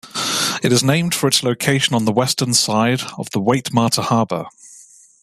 It is named for its location on the western side of the Waitemata Harbour.